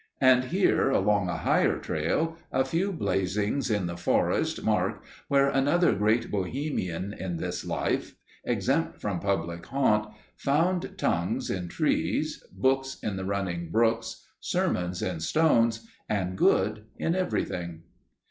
And here, along a higher trail, a few blazings in the forest mark where another great Bohemian in this life exempt from public haunt found tongues in trees, books in the running brooks, sermons in stones and good in everything.